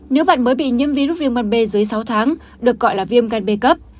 nếu bạn mới bị nhiễm virus viêm gan b dưới sáu tháng được gọi là viêm gan b cấp